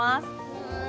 うん。